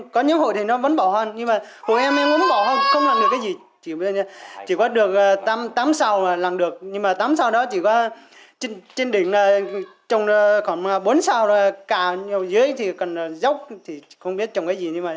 chỉ có trên đỉnh trồng khoảng bốn sao cà dưới thì còn dốc không biết trồng cái gì